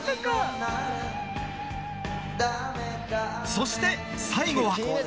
そして最後は